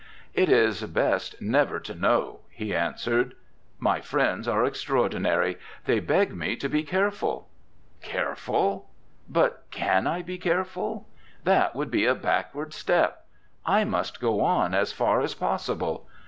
'It is best never to know,' he answered. 'My friends are extraordinary they beg me to be careful. Careful? but can I be careful? That would be a backward step. I must go on as far as possible.